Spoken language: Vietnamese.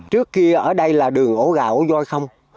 trước kia ở đây là đường ổ gạo ổ doi không